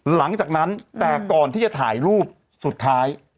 หลังจากนั้นแต่ก่อนที่จะถ่ายรูปสุดท้าย